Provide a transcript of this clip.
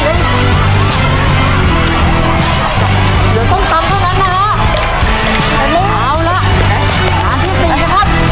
เดี๋ยวต้องตำเท่านั้นนะฮะเอาละจานที่สี่นะครับ